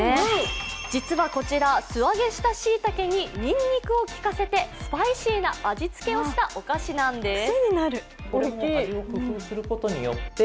実はこちら素揚げしたしいたけににんにくを効かせてスパイシーな味付けをしたお菓子なんです。